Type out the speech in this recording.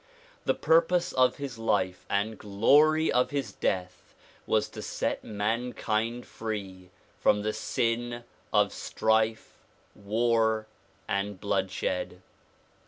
The purpose of his life and glory of his death was to set mankind free from the sin of strife, war and* bloodshed.